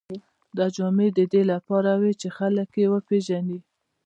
دا جامې د دې لپاره وې چې خلک یې وپېژني.